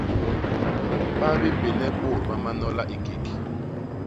Ba bipénne bôt ba manola i kék.